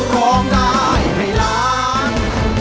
ร้องใจให้ร้าง